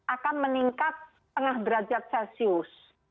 akan meningkat setengah derajat celcius